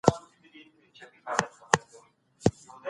یوازې روزل شوي متخصصین باید دا کار وکړي.